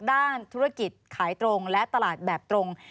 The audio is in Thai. ธุรกิจขายตรงและตลาดแบบตรง